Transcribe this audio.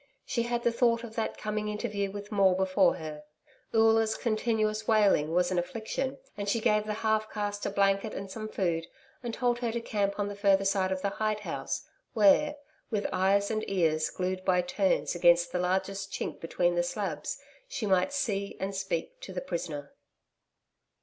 She had the thought of that coming interview with Maule before her. Oola's continuous wailing was an affliction, and she gave the half caste a blanket and some food and told her to camp on the further side of the hide house where, with eyes and ears glued by turns against the largest chink between the slabs, she might see and speak to the prisoner.